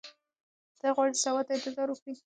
دی غواړي چې سبا ته انتظار وکړي.